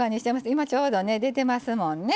今、ちょうど出てますもんね。